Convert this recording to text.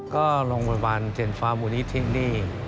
ก็โรงพยาบาลเจียนฟ้ามูลนิธินี่